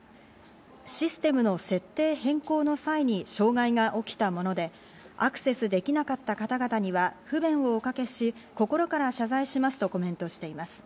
システムの設定変更の際に障害が起きたもので、アクセスできなかった方々には不便をおかけし、心から謝罪しますとコメントしています。